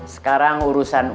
sekarang urusan ujang